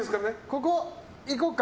ここいこうか。